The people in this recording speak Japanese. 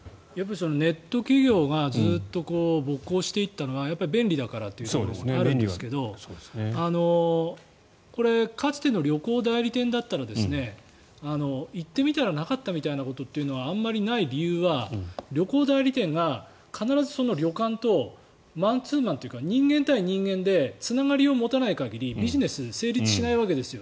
ネット企業がずっと勃興していったのは便利だからというところがあるんですがこれかつての旅行代理店だったら行ってみたらなかったみたいなことというのはあんまりない理由は旅行代理店が必ず旅館とマンツーマンというか人間対人間でつながりを持たない限りビジネス成立しないわけですよ。